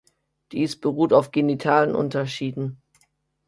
Dies beruht auf genitalen Unterschieden.